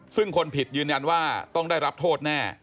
ซึ่งคนผิดยืนยันว่าต้องได้รับโทษแน่